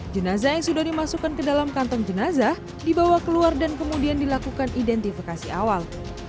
jenazah yang sudah dimasukkan ke dalam kantong jenazah dibawa keluar dan kemudian dilakukan identifikasi awal